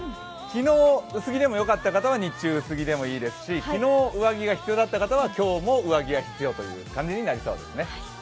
昨日、薄着でもよかった方は日中薄着でもいいですし、昨日上着が必要だった方は今日も上着が必要という感じになりそうですね。